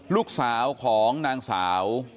ลูกสาวของนางสาว